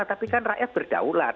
tapi kan rakyat berdaulat